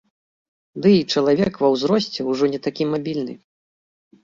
Ды і чалавек ва ўзросце ўжо не такі мабільны.